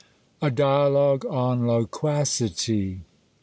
A Dialogue on Loquacity.